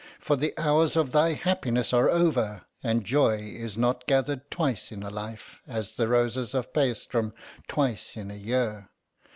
For the hours of thy happiness are over and joy is not gathered twice in a life, as the roses of Paestum twice in a year.